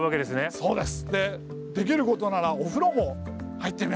そうですね。